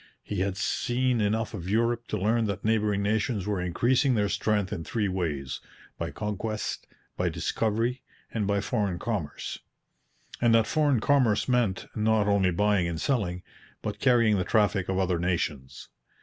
He had seen enough of Europe to learn that neighbouring nations were increasing their strength in three ways by conquest, by discovery, and by foreign commerce and that foreign commerce meant, not only buying and selling, but carrying the traffic of other nations.